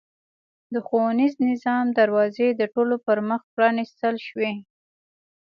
د ښوونیز نظام دروازې د ټولو پرمخ پرانېستل شوې.